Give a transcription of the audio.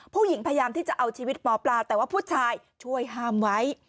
ผู้หญิงพยายามที่จะเอาชีวิตหมอปลาแต่ว่าผู้ชายช่วยห้ามไว้